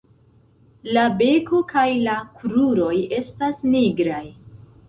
La beko kaj la kruroj estas nigraj.